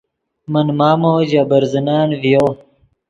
من مامو ژے برزنن ڤیو